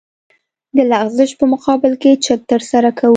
د لغزش په مقابل کې چک ترسره کوو